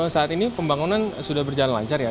saat ini pembangunan sudah berjalan lancar ya